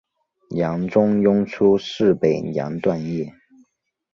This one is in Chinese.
梁中庸初仕北凉段业。